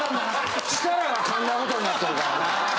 設楽が噛んだことになってるからな。